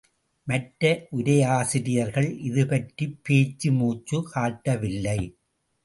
மற்ற உரையாசிரியர்கள் இதுபற்றிப் பேச்சு மூச்சு காட்டவில்லை.